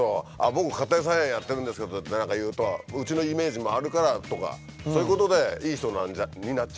僕家庭菜園やってるんですよとか何か言うとうちのイメージもあるからとかそういうことで「いい人なんじゃ」になっちゃうみたいな。